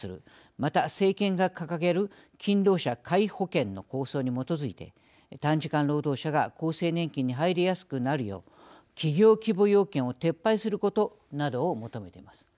また、政権が掲げる勤労者皆保険の構想に基づいて短時間労働者が厚生年金に入りやすくなるよう企業規模要件を撤廃することなどを求めています。